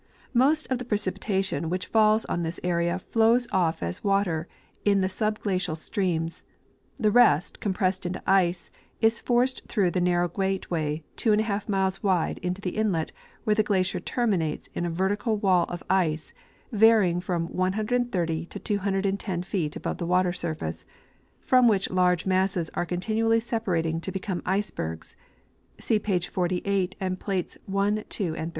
Most of the precipitation which falls on this area flows off as water in the subgiacial streams; the rest, com pressed into ice, is forced througli the narrow gateway 22 miles wide into the inlet, where the glacier terminates in a vertical wall of ice varying from 130 to 210 feet above the water surface, from which large masses are continually separating to become icebergs (see page 48 and plates 1, 2 and 13).